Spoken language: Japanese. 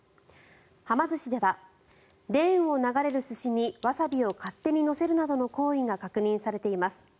はま寿司ではレーンを流れる寿司にワサビを勝手に乗せるなどの行為が確認されています。